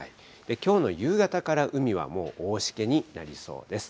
きょうの夕方から海はもう大しけになりそうです。